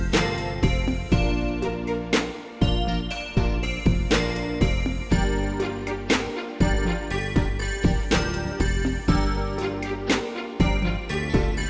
จะจบเหมือนพี่แก่คนนี้